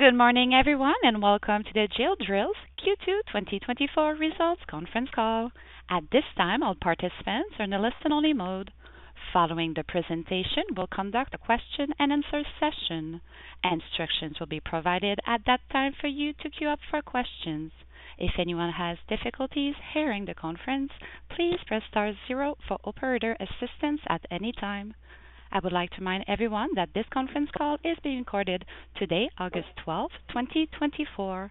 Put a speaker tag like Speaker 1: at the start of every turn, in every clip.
Speaker 1: Good morning, everyone, and welcome to Geodrill's Q2 2024 Results Conference Call. At this time, all participants are in a listen-only mode. Following the presentation, we'll conduct a question-and-answer session. Instructions will be provided at that time for you to queue up for questions. If anyone has difficulties hearing the conference, please press star zero for operator assistance at any time. I would like to remind everyone that this conference call is being recorded today, August 12, 2024.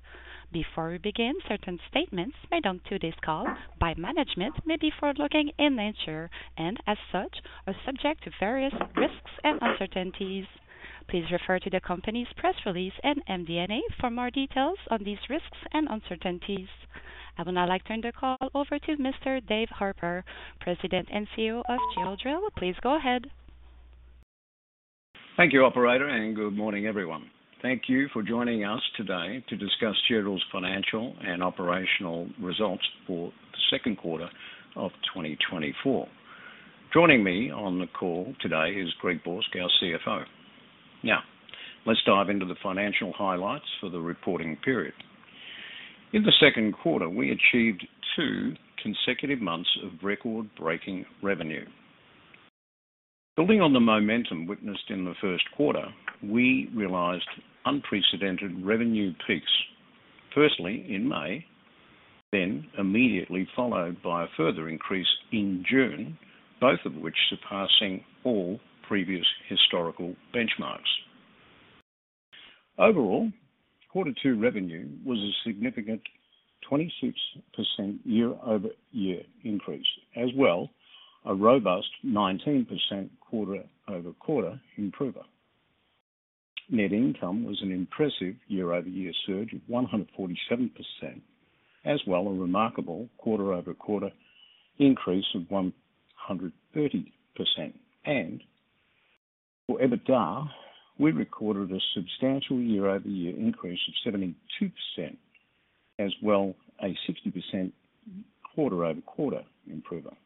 Speaker 1: Before we begin, certain statements made on today's call by management may be forward-looking in nature, and as such, are subject to various risks and uncertainties. Please refer to the company's press release and MD&A for more details on these risks and uncertainties. I would now like to turn the call over to Mr. Dave Harper, President and CEO of Geodrill. Please go ahead.
Speaker 2: Thank you, operator, and good morning, everyone. Thank you for joining us today to discuss Geodrill's financial and operational results for the second quarter of 2024. Joining me on the call today is Greg Borsk, our CFO. Now, let's dive into the financial highlights for the reporting period. In the second quarter, we achieved two consecutive months of record-breaking revenue. Building on the momentum witnessed in the first quarter, we realized unprecedented revenue peaks, firstly in May, then immediately followed by a further increase in June, both of which surpassing all previous historical benchmarks. Overall, quarter two revenue was a significant 26% year-over-year increase, as well, a robust 19% quarter-over-quarter improvement. Net income was an impressive year-over-year surge of 147%, as well, a remarkable quarter-over-quarter increase of 130%. For EBITDA, we recorded a substantial year-over-year increase of 72%, as well, a 60% quarter-over-quarter improvement.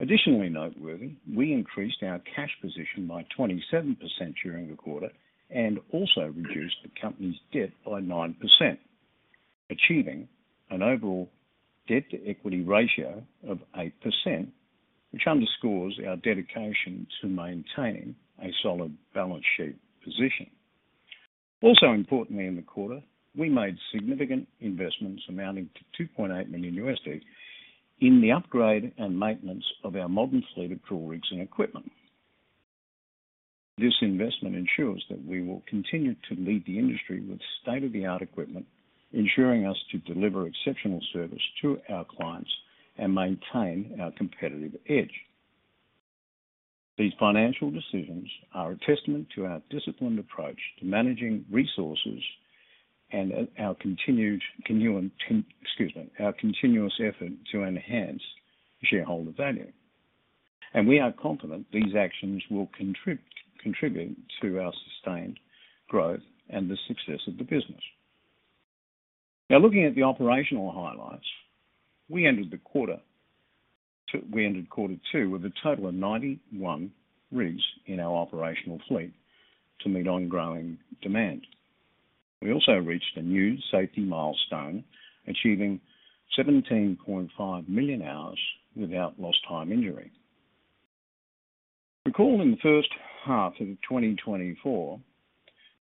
Speaker 2: Additionally noteworthy, we increased our cash position by 27% during the quarter and also reduced the company's debt by 9%, achieving an overall debt-to-equity ratio of 8%, which underscores our dedication to maintaining a solid balance sheet position. Also importantly, in the quarter, we made significant investments amounting to $2.8 million in the upgrade and maintenance of our modern fleet of drill rigs and equipment. This investment ensures that we will continue to lead the industry with state-of-the-art equipment, ensuring us to deliver exceptional service to our clients and maintain our competitive edge. These financial decisions are a testament to our disciplined approach to managing resources and our continuous effort to enhance shareholder value. We are confident these actions will contribute to our sustained growth and the success of the business. Now, looking at the operational highlights, we ended quarter two with a total of 91 rigs in our operational fleet to meet ongoing demand. We also reached a new safety milestone, achieving 17.5 million hours without lost time injury. Recall, in the first half of 2024,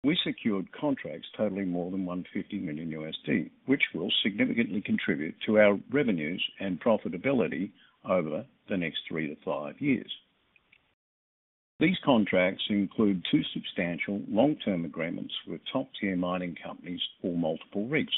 Speaker 2: we secured contracts totaling more than $150 million, which will significantly contribute to our revenues and profitability over the next 3-5 years. These contracts include two substantial long-term agreements with top-tier mining companies for multiple rigs.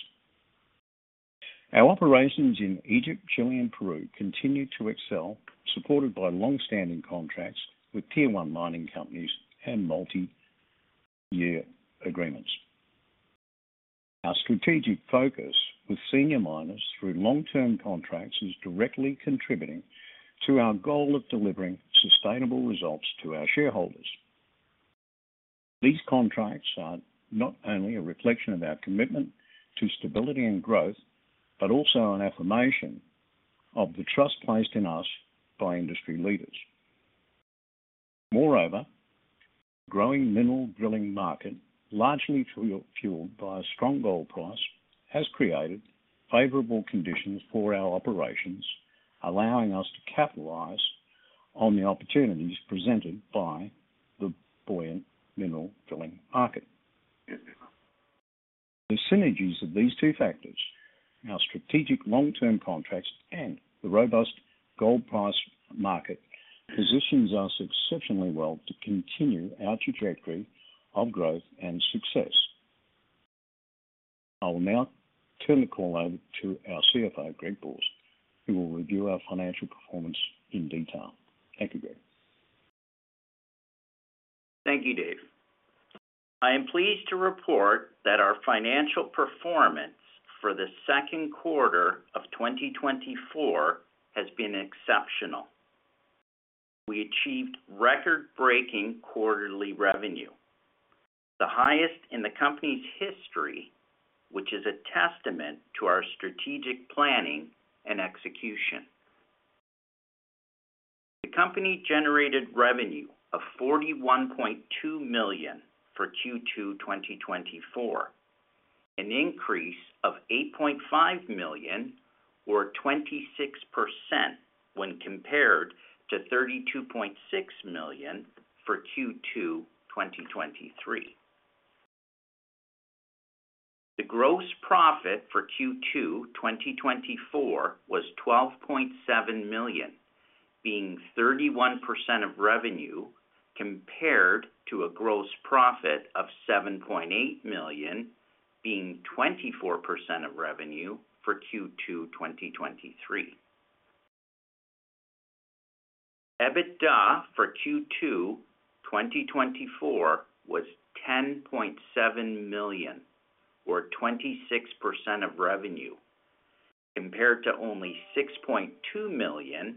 Speaker 2: Our operations in Egypt, Chile, and Peru continue to excel, supported by long-standing contracts with Tier 1 mining companies and multi-year agreements. Our strategic focus with senior miners through long-term contracts is directly contributing to our goal of delivering sustainable results to our shareholders. These contracts are not only a reflection of our commitment to stability and growth, but also an affirmation of the trust placed in us by industry leaders. Moreover, growing mineral drilling market, largely fueled by a strong gold price, has created favorable conditions for our operations, allowing us to capitalize on the opportunities presented by the buoyant mineral drilling market. The synergies of these two factors, our strategic long-term contracts and the robust gold price market, positions us exceptionally well to continue our trajectory of growth and success. I will now turn the call over to our CFO, Greg Borsk, who will review our financial performance in detail. Thank you, Greg.
Speaker 3: Thank you, Dave. I am pleased to report that our financial performance for the second quarter of 2024 has been exceptional. We achieved record-breaking quarterly revenue, the highest in the company's history which is a testament to our strategic planning and execution. The company generated revenue of $41.2 million for Q2 2024, an increase of $8.5 million, or 26%, when compared to $32.6 million for Q2 2023. The gross profit for Q2 2024 was $12.7 million, being 31% of revenue, compared to a gross profit of $7.8 million, being 24% of revenue for Q2 2023. EBITDA for Q2 2024 was $10.7 million, or 26% of revenue, compared to only $6.2 million,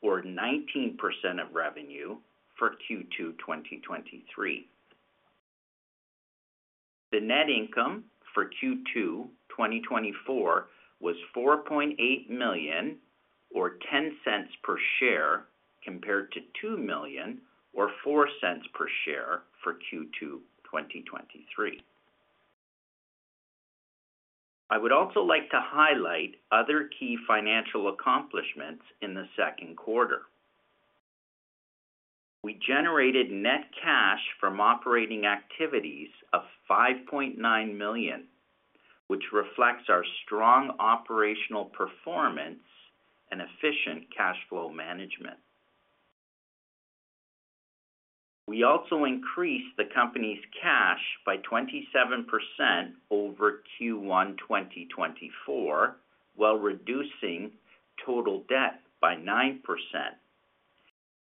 Speaker 3: or 19% of revenue for Q2 2023. The net income for Q2 2024 was $4.8 million, or $0.10 per share, compared to $2 million or $0.04 per share for Q2 2023. I would also like to highlight other key financial accomplishments in the second quarter. We generated net cash from operating activities of $5.9 million, which reflects our strong operational performance and efficient cash flow management. We also increased the company's cash by 27% over Q1 2024, while reducing total debt by 9%,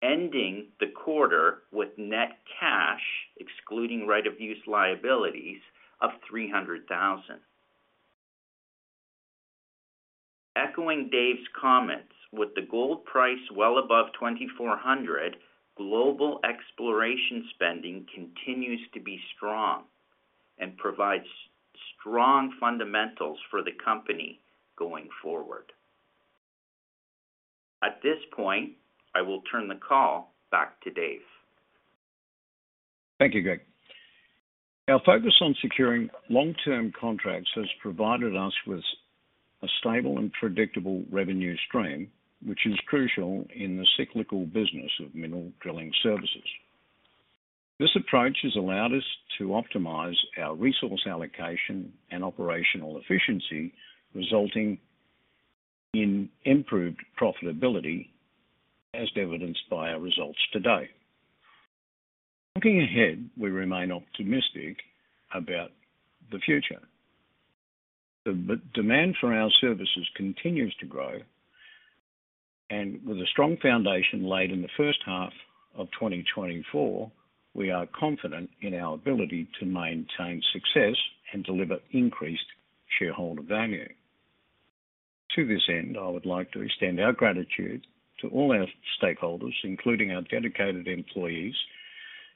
Speaker 3: ending the quarter with net cash, excluding right-of-use liabilities, of $300,000. Echoing Dave's comments, with the gold price well above $2,400, global exploration spending continues to be strong and provides strong fundamentals for the company going forward. At this point, I will turn the call back to Dave.
Speaker 2: Thank you, Greg. Our focus on securing long-term contracts has provided us with a stable and predictable revenue stream, which is crucial in the cyclical business of mineral drilling services. This approach has allowed us to optimize our resource allocation and operational efficiency, resulting in improved profitability, as evidenced by our results today. Looking ahead, we remain optimistic about the future. The demand for our services continues to grow, and with a strong foundation laid in the first half of 2024, we are confident in our ability to maintain success and deliver increased shareholder value. To this end, I would like to extend our gratitude to all our stakeholders, including our dedicated employees,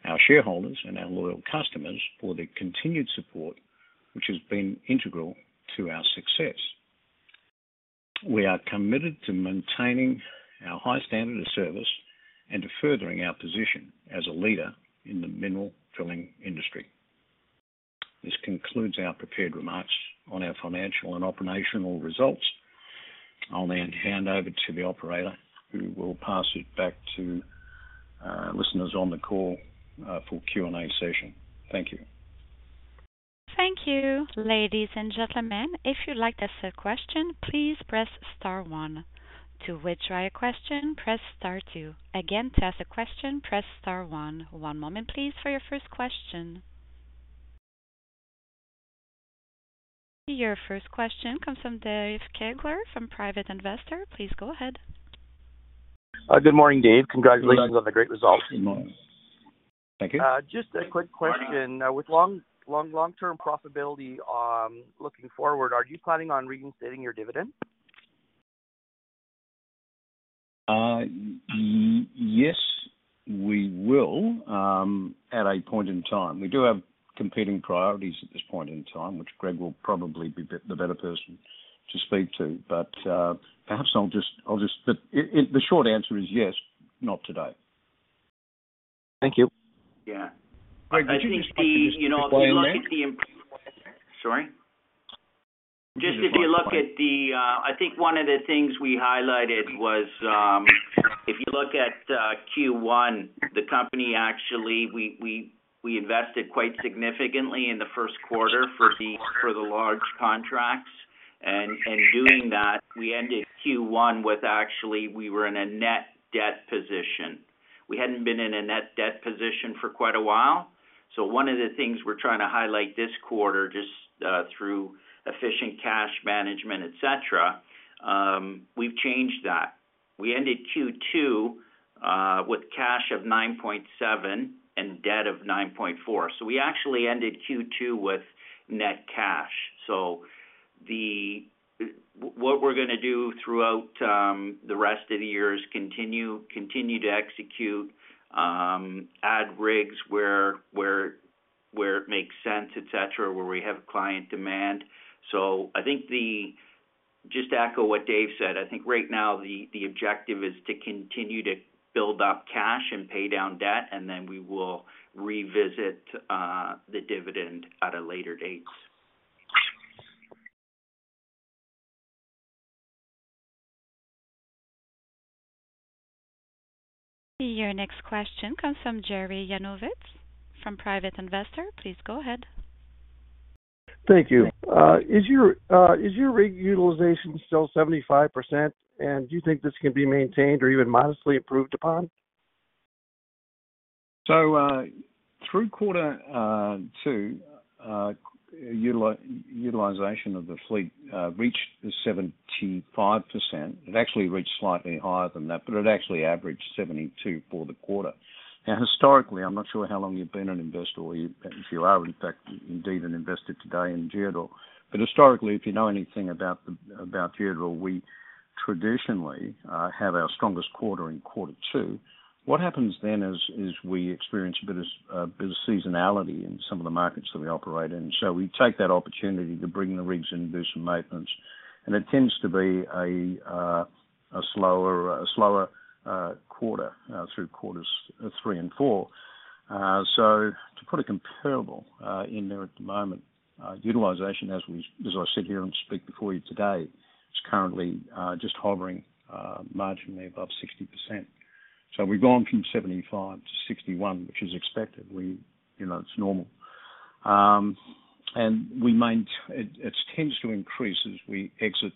Speaker 2: our shareholders, and our loyal customers, for their continued support, which has been integral to our success. We are committed to maintaining our high standard of service and to furthering our position as a leader in the mineral drilling industry. This concludes our prepared remarks on our financial and operational results. I'll then hand over to the operator, who will pass it back to listeners on the call for Q&A session. Thank you.
Speaker 1: Thank you, ladies and gentlemen. If you'd like to ask a question, please press star one. To withdraw your question, press star two. Again, to ask a question, press star one. One moment, please, for your first question. Your first question comes from Dave Kaegler from private investor. Please go ahead.
Speaker 4: Good morning, Dave.
Speaker 2: Good morning.
Speaker 4: Congratulations on the great results.
Speaker 2: Good morning. Thank you.
Speaker 4: Just a quick question. With long-term profitability, looking forward, are you planning on reinstating your dividend?
Speaker 2: Yes, we will, at a point in time. We do have competing priorities at this point in time, which Greg will probably be the better person to speak to. But, perhaps I'll just, I'll just, but it, it, the short answer is yes, not today.
Speaker 4: Thank you.
Speaker 3: Yeah.
Speaker 2: Greg, did you just touch on this point on there?
Speaker 3: I think, you know, if you look at the. Sorry.
Speaker 2: You just want to-
Speaker 3: Just if you look at the, I think one of the things we highlighted was, if you look at Q1, the company, actually, we, we, we invested quite significantly in the first quarter for the for the large contracts. And doing that, we ended Q1 with actually we were in a net debt position. We hadn't been in a net debt position for quite a while. So one of the things we're trying to highlight this quarter, just through efficient cash management, et cetera, we've changed that. We ended Q2 with cash of $9.7 and debt of $9.4. So we actually ended Q2 with net cash. So what we're gonna do throughout the rest of the year is continue to execute, add rigs where it makes sense, et cetera, where we have client demand. I think just to echo what Dave said, I think right now the objective is to continue to build up cash and pay down debt, and then we will revisit the dividend at a later date.
Speaker 1: Your next question comes from Jerry Yanovitz from Private Investor. Please go ahead.
Speaker 5: Thank you. Is your rig utilization still 75%? Do you think this can be maintained or even modestly improved upon?
Speaker 2: So, through quarter two, utilization of the fleet reached 75%. It actually reached slightly higher than that, but it actually averaged 72% for the quarter. Now, historically, I'm not sure how long you've been an investor or if you are, in fact, indeed, an investor today in Geodrill. But historically, if you know anything about Geodrill, we traditionally have our strongest quarter in quarter two. What happens then is we experience a bit of seasonality in some of the markets that we operate in. So we take that opportunity to bring the rigs in and do some maintenance, and it tends to be a slower quarter through quarters three and four. So to put a comparable in there at the moment, utilization, as we, as I sit here and speak before you today, is currently just hovering marginally above 60%. So we've gone from 75% to 61%, which is expected. We, you know, it's normal. And it tends to increase as we exit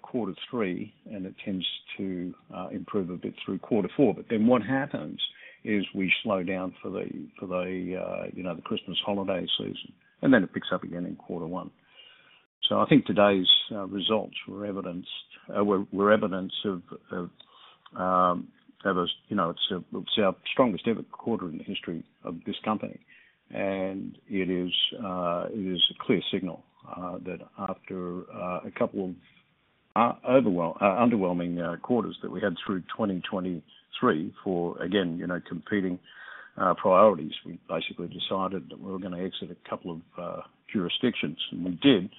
Speaker 2: quarter three, and it tends to improve a bit through quarter four. But then what happens is we slow down for the, for the, you know, the Christmas holiday season, and then it picks up again in quarter one. So I think today's results were evidence of, you know, it's our strongest ever quarter in the history of this company. And it is a clear signal that after a couple of overwhelming quarters that we had through 2023, for, again, you know, competing priorities. We basically decided that we were gonna exit a couple of jurisdictions, and we did.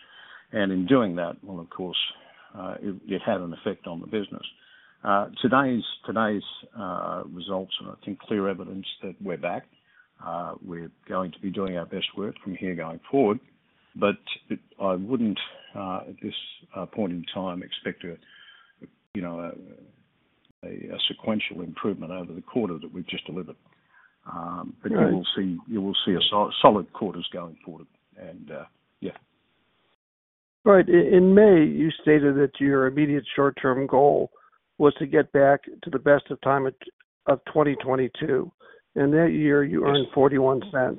Speaker 2: And in doing that, well, of course, it had an effect on the business. Today's results are, I think, clear evidence that we're back. We're going to be doing our best work from here going forward. But I wouldn't, at this point in time, expect a, you know, a sequential improvement over the quarter that we've just delivered. But you will see-
Speaker 5: Right.
Speaker 2: You will see some solid quarters going forward, and yeah.
Speaker 5: Right. In May, you stated that your immediate short-term goal was to get back to the best of times of 2022, and that year you earned $0.41.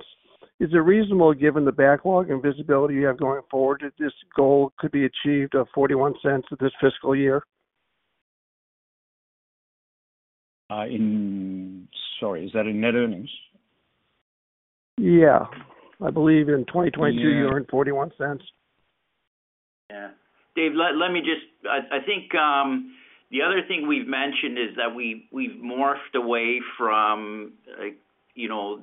Speaker 5: Is it reasonable, given the backlog and visibility you have going forward, that this goal could be achieved of $0.41 this fiscal year?
Speaker 2: Sorry, is that in net earnings?
Speaker 5: Yeah, I believe in 2022-
Speaker 2: Yeah.
Speaker 5: you earned $0.41.
Speaker 3: Yeah. Dave, let me just—I think the other thing we've mentioned is that we've morphed away from, you know,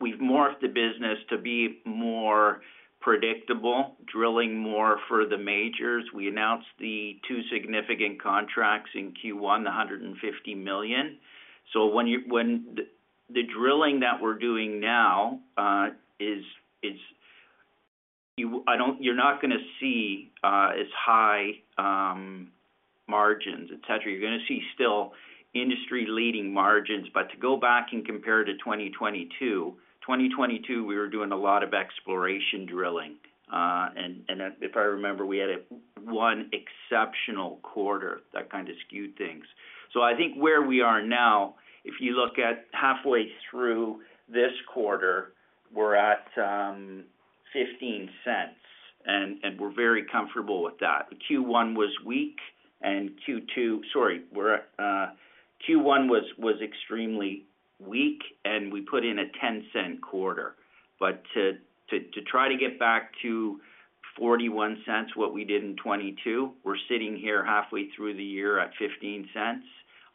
Speaker 3: we've morphed the business to be more predictable, drilling more for the majors. We announced the two significant contracts in Q1, the $150 million. So when the drilling that we're doing now is you're not gonna see as high margins, et cetera. You're gonna see still industry-leading margins. But to go back and compare to 2022, 2022, we were doing a lot of exploration drilling. And if I remember, we had one exceptional quarter that kind of skewed things. So I think where we are now, if you look at halfway through this quarter, we're at $0.15, and we're very comfortable with that. The Q1 was weak, and Q2—sorry, we're at Q1, which was extremely weak, and we put in a $0.10 quarter. But to try to get back to $0.41, what we did in 2022, we're sitting here halfway through the year at $0.15,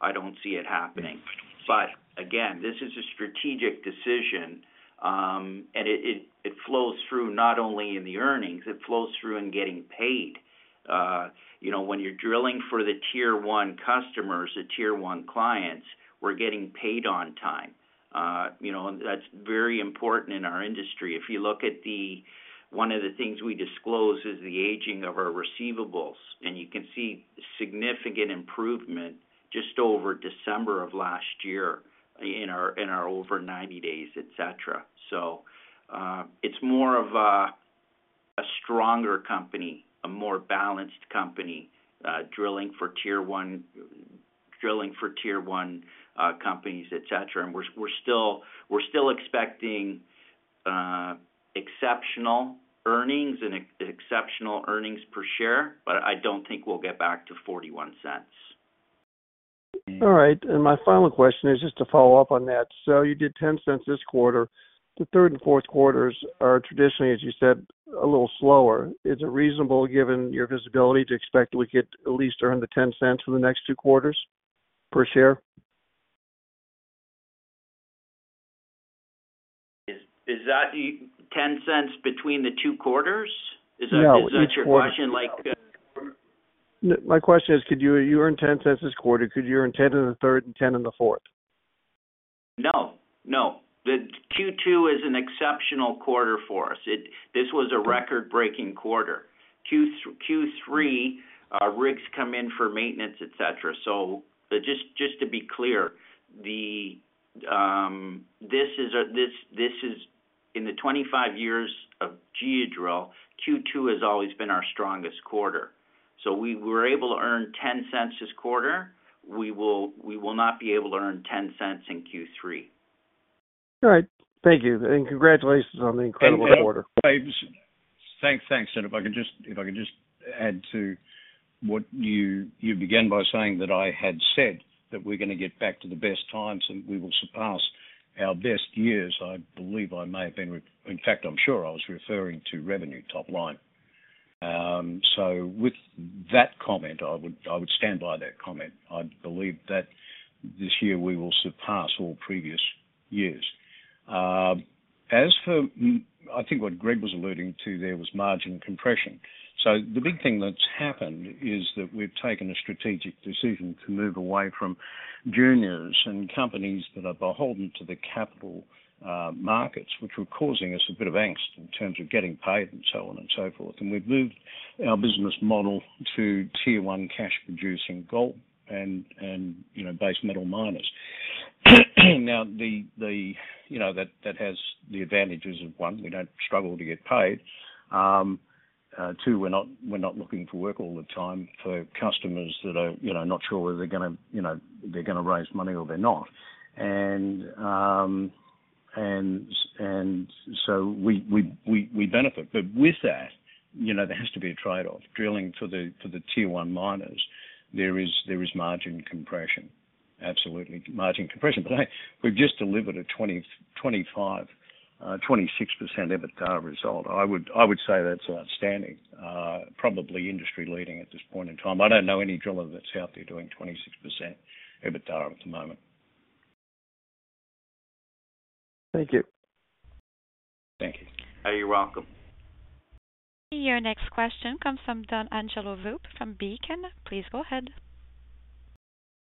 Speaker 3: I don't see it happening. But again, this is a strategic decision, and it flows through not only in the earnings, it flows through in getting paid. You know, when you're drilling for the Tier 1 customers, the Tier 1 clients, we're getting paid on time. You know, that's very important in our industry. If you look at the one of the things we disclose is the aging of our receivables, and you can see significant improvement just over December of last year in our over 90 days, et cetera. It's more of a stronger company, a more balanced company, drilling for Tier 1, drilling for Tier 1 companies, et cetera. We're still expecting exceptional earnings and exceptional earnings per share, but I don't think we'll get back to $0.41.
Speaker 5: All right. And my final question is just to follow up on that. So you did $0.10 this quarter. The third and fourth quarters are traditionally, as you said, a little slower. Is it reasonable, given your visibility, to expect we get at least around the $0.10 for the next two quarters per share?
Speaker 3: Is that the $0.10 between the two quarters?
Speaker 5: No.
Speaker 3: Is that your question like?
Speaker 5: My question is, could you, you earn $0.10 this quarter, could you earn $0.10 in the third and $0.10 in the fourth?
Speaker 3: No, no. The Q2 is an exceptional quarter for us. It— This was a record-breaking quarter. Q3, rigs come in for maintenance, et cetera. So just, just to be clear, the, this is a, this, this is in the 25 years of Geodrill, Q2 has always been our strongest quarter. So we were able to earn $0.10 this quarter. We will, we will not be able to earn $0.10 in Q3.
Speaker 5: All right. Thank you, and congratulations on the incredible quarter.
Speaker 2: Thanks. Thanks. And if I could just add to what you began by saying that I had said that we're gonna get back to the best times, and we will surpass our best years. I believe I may have been, in fact, I'm sure I was referring to revenue top line. So with that comment, I would stand by that comment. I believe that this year we will surpass all previous years. As for, I think what Greg was alluding to, there was margin compression. So the big thing that's happened is that we've taken a strategic decision to move away from juniors and companies that are beholden to the capital markets, which were causing us a bit of angst in terms of getting paid and so on and so forth. We've moved our business model to Tier 1, cash-producing gold and, and, you know, base metal miners. Now, the, the, you know, that, that has the advantages of, one, we don't struggle to get paid. Two, we're not, we're not looking for work all the time for customers that are, you know, not sure whether they're gonna, you know, they're gonna raise money or they're not. And, and, and so we, we, we, we benefit. But with that, you know, there has to be a trade-off. Drilling for the, for the Tier 1 miners, there is, there is margin compression. Absolutely margin compression. But we've just delivered a 25%-26% EBITDA result. I would, I would say that's outstanding, probably industry-leading at this point in time. I don't know any driller that's out there doing 26% EBITDA at the moment.
Speaker 5: Thank you.
Speaker 2: Thank you.
Speaker 3: You're welcome.
Speaker 1: Your next question comes from Donangelo Volpe from Beacon. Please go ahead.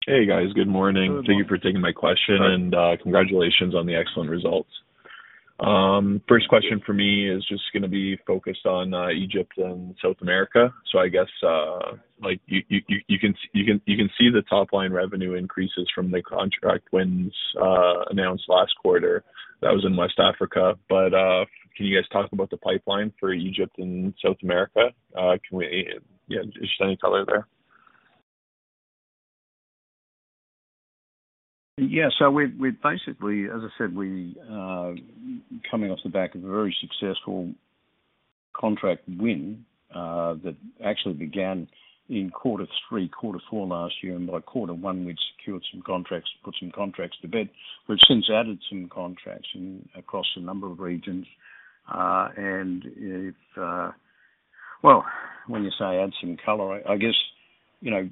Speaker 6: Hey, guys. Good morning.
Speaker 2: Good morning.
Speaker 6: Thank you for taking my question and congratulations on the excellent results. First question for me is just gonna be focused on Egypt and South America. So I guess, like, you can see the top-line revenue increases from the contract wins announced last quarter. That was in West Africa. But, can you guys talk about the pipeline for Egypt and South America? Can we, yeah, just any color there?
Speaker 2: Yeah, so we basically, as I said, coming off the back of a very successful contract win that actually began in quarter three, quarter four last year, and by quarter one, we'd secured some contracts, put some contracts to bed. We've since added some contracts in across a number of regions. Well, when you say add some color, I guess, you know,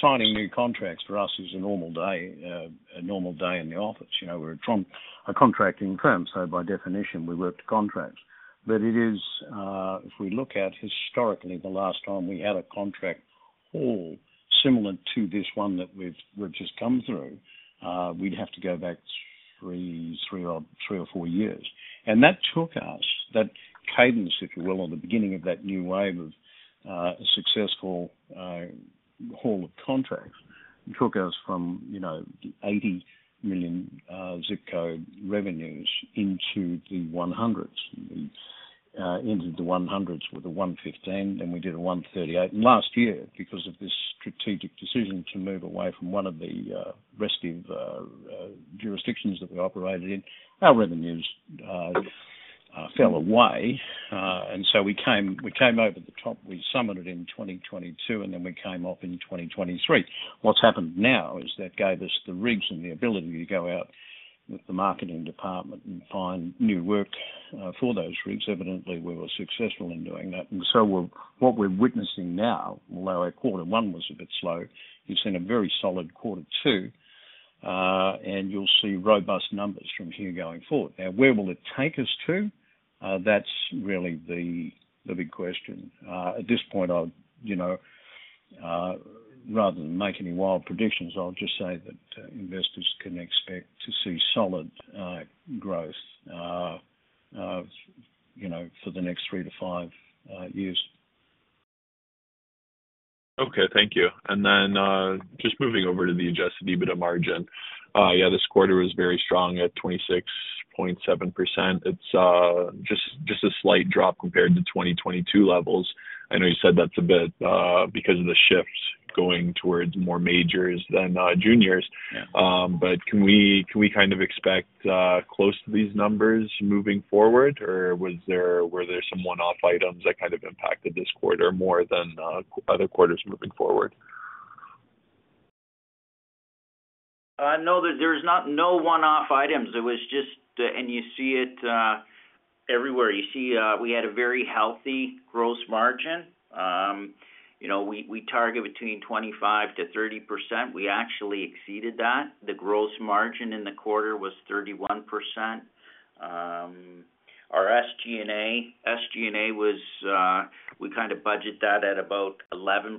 Speaker 2: signing new contracts for us is a normal day, a normal day in the office. You know, we're a contracting firm, so by definition, we work to contracts. But it is, if we look at historically, the last time we had a contract haul similar to this one that we've just come through, we'd have to go back three or four years. That took us, that cadence, if you will, or the beginning of that new wave of successful haul of contracts, took us from, you know, $80 million zip code revenues into the $100s. Into the $100s, with the $115, then we did a $138. And last year, because of this strategic decision to move away from one of the risky jurisdictions that we operated in, our revenues fell away. And so we came over the top. We summed it in 2022, and then we came off in 2023. What's happened now is that gave us the rigs and the ability to go out with the marketing department and find new work for those rigs. Evidently, we were successful in doing that. What we're witnessing now, although our quarter one was a bit slow, we've seen a very solid quarter two, and you'll see robust numbers from here going forward. Now, where will it take us to? That's really the big question. At this point, I'll, you know, rather than make any wild predictions, I'll just say that investors can expect to see solid growth, you know, for the next three to five years.
Speaker 6: Okay. Thank you. And then, just moving over to the adjusted EBITDA margin. Yeah, this quarter was very strong at 26.7%. It's, just, just a slight drop compared to 2022 levels. I know you said that's a bit, because of the shifts going towards more majors than juniors, but can we kind of expect close to these numbers moving forward, or were there some one-off items that kind of impacted this quarter more than other quarters moving forward?
Speaker 3: No, there, there is not no one-off items. It was just, and you see it, everywhere. You see, we had a very healthy gross margin. You know, we, we target between 25%-30%. We actually exceeded that. The gross margin in the quarter was 31%. Our SG&A, SG&A was, we kind of budget that at about 11%.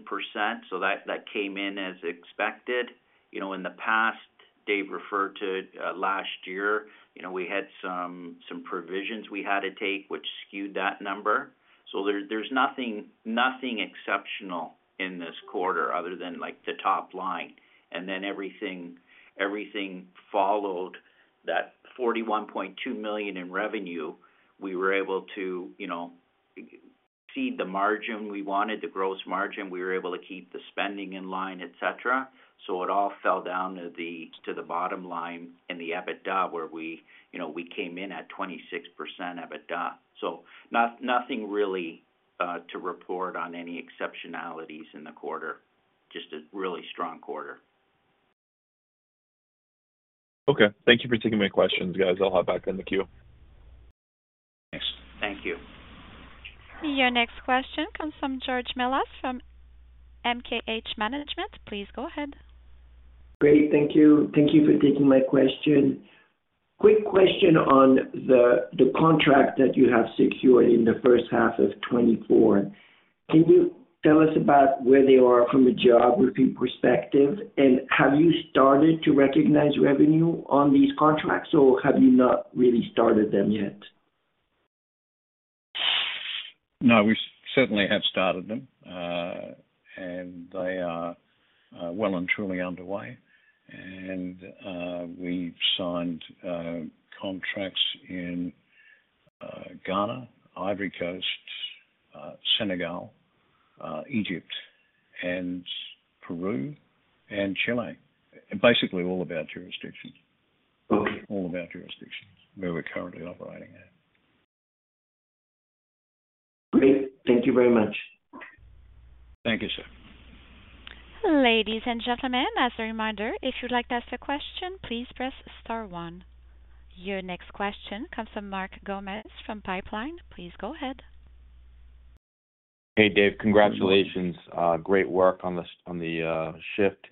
Speaker 3: So that, that came in as expected. You know, in the past, Dave referred to, last year, you know, we had some, some provisions we had to take, which skewed that number. So there's, there's nothing, nothing exceptional in this quarter other than, like, the top line, and then everything, everything followed that $41.2 million in revenue. We were able to, you know, see the margin we wanted, the gross margin. We were able to keep the spending in line, et cetera. So it all fell down to the bottom line in the EBITDA, where we, you know, we came in at 26% EBITDA. So nothing really to report on any exceptionalities in the quarter. Just a really strong quarter.
Speaker 6: Okay. Thank you for taking my questions, guys. I'll hop back in the queue. Thanks.
Speaker 3: Thank you.
Speaker 1: Your next question comes from George Mellas from MKH Management. Please go ahead.
Speaker 7: Great. Thank you. Thank you for taking my question. Quick question on the contract that you have secured in the first half of 2024. Can you tell us about where they are from a geography perspective, and have you started to recognize revenue on these contracts, or have you not really started them yet?
Speaker 2: No, we certainly have started them. And they are well and truly underway, and we've signed contracts in Ghana, Ivory Coast, Senegal, Egypt, Peru, and Chile, and basically all of our jurisdictions.
Speaker 7: Okay.
Speaker 2: All of our jurisdictions where we're currently operating at.
Speaker 7: Great. Thank you very much.
Speaker 2: Thank you, sir.
Speaker 1: Ladies and gentlemen, as a reminder, if you'd like to ask a question, please press star one. Your next question comes from Mark Gomes from Pipeline. Please go ahead.
Speaker 8: Hey, Dave. Congratulations. Great work on the shift.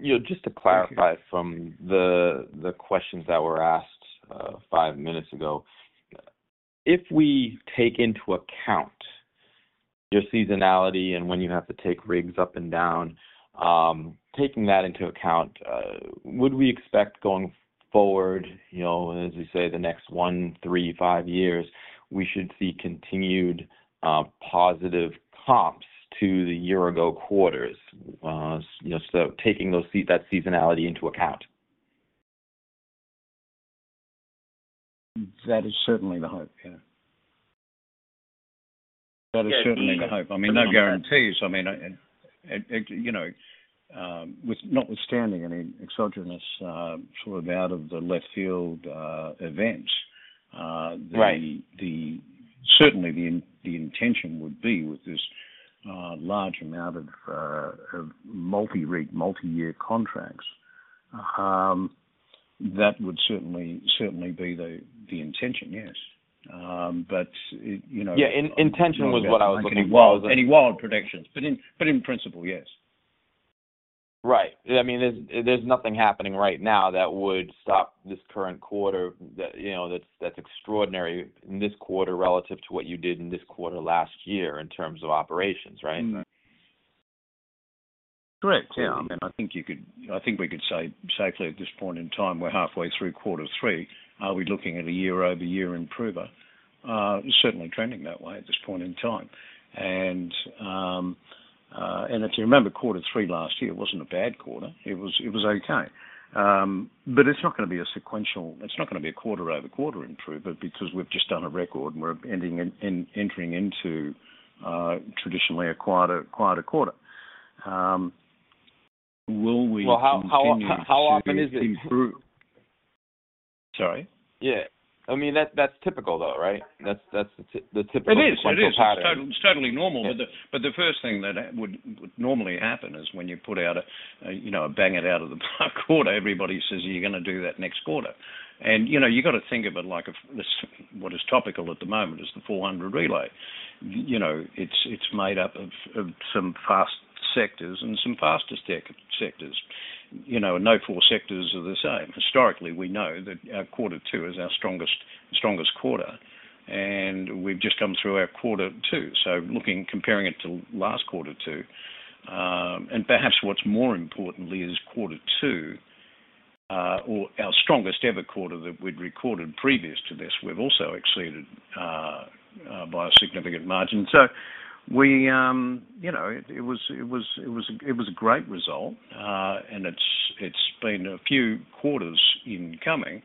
Speaker 8: You know, just to clarify-
Speaker 2: Thank you.
Speaker 8: From the questions that were asked five minutes ago. If we take into account your seasonality and when you have to take rigs up and down, taking that into account, would we expect going forward, you know, as you say, the next one, three, five years, we should see continued positive comps to the year-ago quarters? You know, so taking that seasonality into account.
Speaker 2: That is certainly the hope. Yeah. That is certainly the hope. I mean, no guarantees. I mean, you know, with notwithstanding any exogenous, sort of out of left field, events. Certainly the intention would be with this large amount of multi-rig, multi-year contracts that would certainly be the intention, yes. But, you know-
Speaker 8: Yeah, intention was what I was looking for.
Speaker 2: Any wild predictions, but in principle, yes.
Speaker 8: Right. I mean, there's nothing happening right now that would stop this current quarter, you know, that's extraordinary in this quarter relative to what you did in this quarter last year in terms of operations, right?
Speaker 2: Mm. Correct. Yeah. I think we could say safely at this point in time, we're halfway through quarter three. Are we looking at a year-over-year improver? Certainly trending that way at this point in time. And if you remember, quarter three last year wasn't a bad quarter. It was okay. But it's not gonna be a sequential improvement. It's not gonna be a quarter-over-quarter improvement because we've just done a record, and we're ending and entering into traditionally a quieter quarter. Will we continue-
Speaker 8: Well, how often is it?
Speaker 2: Improve. Sorry?
Speaker 8: Yeah. I mean, that's typical, though, right? That's the typical quarter.
Speaker 2: It is. It is. It's totally normal. But the first thing that would normally happen is when you put out a, you know, a bang it out of the park quarter, everybody says you're gonna do that next quarter. And, you know, you got to think of it like a—This, what is topical at the moment is the 400 relay. You know, it's made up of some fast sectors and some faster sectors. You know, and no four sectors are the same. Historically, we know that our quarter two is our strongest quarter, and we've just come through our quarter two. So looking, comparing it to last quarter two, and perhaps what's more importantly is quarter two, or our strongest ever quarter that we'd recorded previous to this, we've also exceeded by a significant margin. So we, you know, it was a great result, and it's been a few quarters in coming.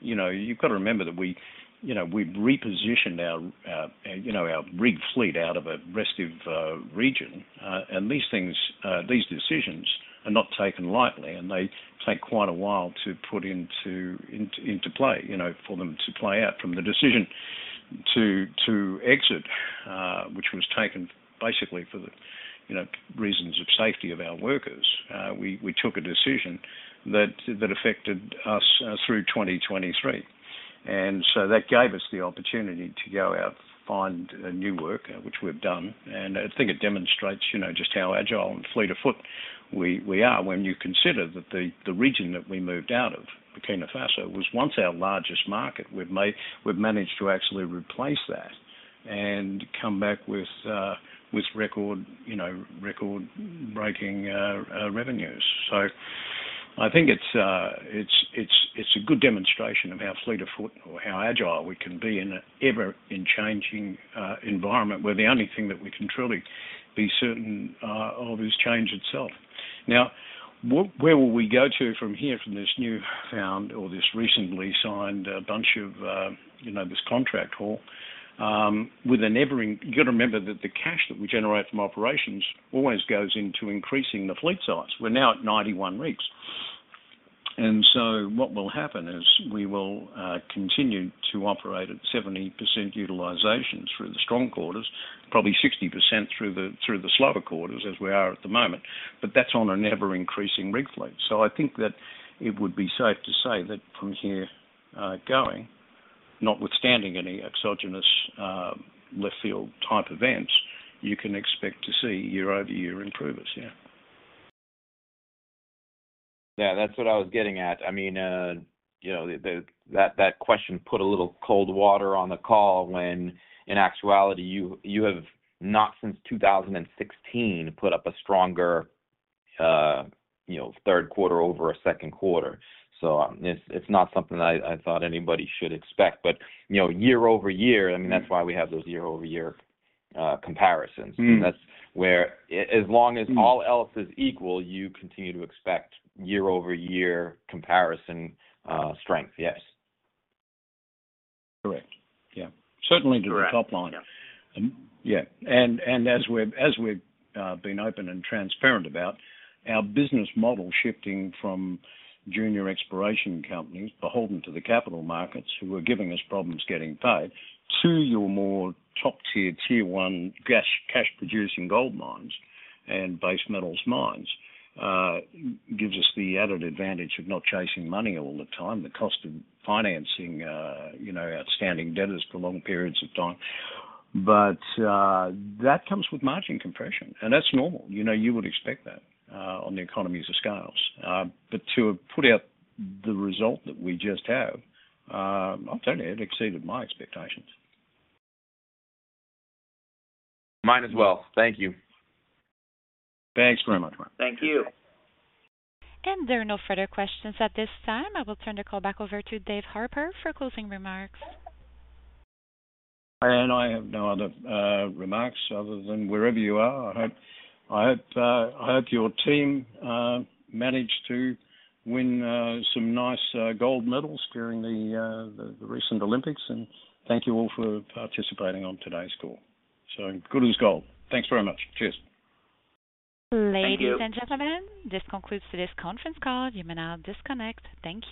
Speaker 2: You know, you've got to remember that we, you know, we've repositioned our, you know, our rig fleet out of a restive region, and these things, these decisions are not taken lightly, and they take quite a while to put into play, you know, for them to play out from the decision to exit, which was taken basically for the, you know, reasons of safety of our workers. We took a decision that affected us through 2023. And so that gave us the opportunity to go out, find new work, which we've done, and I think it demonstrates, you know, just how agile and fleet of foot we are when you consider that the region that we moved out of, Burkina Faso, was once our largest market. We've managed to actually replace that and come back with record, you know, record-breaking revenues. So I think it's a good demonstration of how fleet of foot or how agile we can be in an ever-changing environment, where the only thing that we can truly be certain of is change itself. Now, where will we go to from here, from this newfound or this recently signed bunch of, you know, this contract haul? With an ever in—you got to remember that the cash that we generate from operations always goes into increasing the fleet size. We're now at 91 rigs. And so what will happen is we will continue to operate at 70% utilization through the strong quarters, probably 60% through the slower quarters, as we are at the moment. But that's on an ever-increasing rig fleet. So I think that it would be safe to say that from here, going, notwithstanding any exogenous left field type events, you can expect to see year-over-year improvements. Yeah.
Speaker 8: Yeah, that's what I was getting at. I mean, you know, that question put a little cold water on the call, when in actuality, you have not, since 2016, put up a stronger, you know, third quarter over a second quarter. So, it's not something I thought anybody should expect. But, you know, year over year, I mean, that's why we have those year-over-year comparisons.
Speaker 2: Mm-hmm.
Speaker 8: That's where, as long as all else is equal, you continue to expect year-over-year comparison strength. Yes.
Speaker 2: Correct. Yeah. Certainly to the top line.
Speaker 8: Yeah.
Speaker 2: Yeah, and as we've been open and transparent about our business model shifting from junior exploration companies beholden to the capital markets, who are giving us problems getting paid, to your more top-tier, Tier 1 cash-producing gold mines and base metals mines, gives us the added advantage of not chasing money all the time, the cost of financing, you know, outstanding debtors for long periods of time. But that comes with margin compression, and that's normal. You know, you would expect that, on the economies of scale. But to have put out the result that we just have, I'll tell you, it exceeded my expectations.
Speaker 8: Mine as well. Thank you.
Speaker 2: Thanks very much, Mark.
Speaker 8: Thank you.
Speaker 1: There are no further questions at this time. I will turn the call back over to Dave Harper for closing remarks.
Speaker 2: I have no other remarks other than wherever you are, I hope, I hope, I hope your team managed to win some nice gold medals during the recent Olympics, and thank you all for participating on today's call. So good as gold. Thanks very much. Cheers.
Speaker 1: Ladies and gentlemen-
Speaker 3: Thank you.
Speaker 1: This concludes today's conference call. You may now disconnect. Thank you.